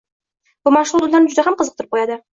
Bu mashg‘ulot ularni juda ham qiziqtirib qo‘yadi.